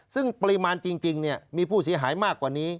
ซึ่งปริมาณจริงมีผู้เสียหายมากกว่านี้